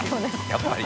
やっぱり。